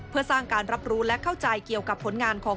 เพื่อสร้างการรับรู้และเข้าใจเกี่ยวกับผลงานของ